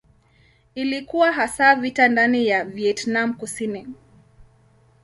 Ilikuwa hasa vita ndani ya Vietnam Kusini.